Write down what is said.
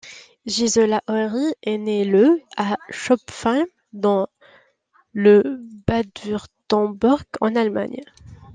Gisela Oeri est née le à Schopfheim, dans le Bade-Wurtemberg, en Allemagne.